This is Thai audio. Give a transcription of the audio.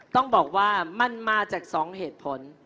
ต้องบอกว่ามันมาจาก๒เหตุผล